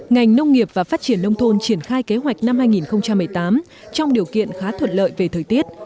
ngành nông nghiệp và phát triển nông thôn triển khai kế hoạch năm hai nghìn một mươi tám trong điều kiện khá thuật lợi về thời tiết